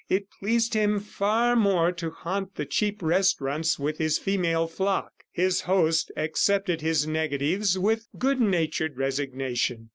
It pleased him far more to haunt the cheap restaurants with his female flock. His host accepted his negatives with good natured resignation.